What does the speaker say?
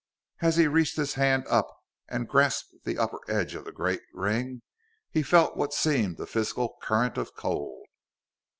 As he reached his hands up and grasped the upper edge of the great ring, he felt what seemed a physical current of cold.